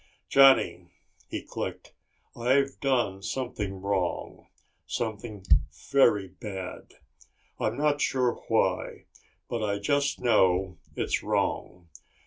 "Johnny," he clicked, "I've done something wrong. Something very bad. I'm not sure why, but I just know it's wrong.